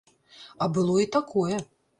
А было і такое.